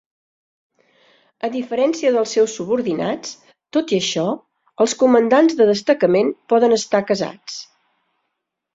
A diferència dels seus subordinats, tot i això, els comandants de destacament poden estar casats.